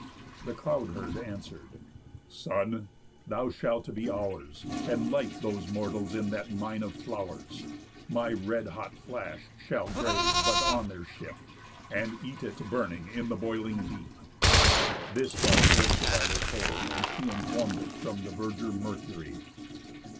The Cloud herd answer'd: 'Son! Thou shalt be ours, And light those mortals in that mine of flow'rs! My red hot flash shall graze but on their ship, And eat it, burning, in the boiling deep.' This by Calypso I was told, and she Inform'd it from the verger Mercury.